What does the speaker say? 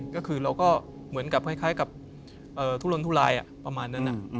ก็คือเราก็เหมือนกับคล้ายกับทุลนทุลายประมาณนั้น